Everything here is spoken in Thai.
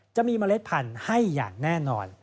จะมีเมล็ดพันธุ์ให้อย่างแน่นอน